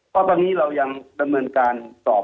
ก็ตอนนี้เรายังบัดเมินการสอบ